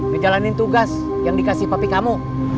di jalanin tugas yang dikasih papi kamu